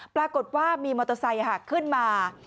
ปรากฏว่ามีมอเตอร์ไซค์ขึ้นมา